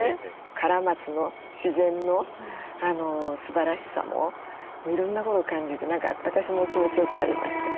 カラマツの自然のすばらしさもいろんなことを感じて何か私も気持ちよくなりました。